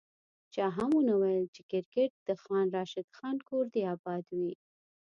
چا هم ونه ویل چي کرکیټ د خان راشد خان کور دي اباد وي